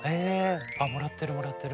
もらってるもらってる。